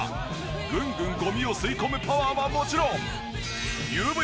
グングンゴミを吸い込むパワーはもちろん。